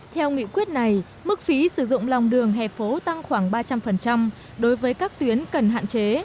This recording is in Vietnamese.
theo nghị quyết này mức phí sử dụng lòng đường hè phố tăng khoảng ba trăm linh đối với các tuyến cần hạn chế